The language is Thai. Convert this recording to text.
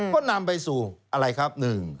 ก็นำไปสู่อะไรครับ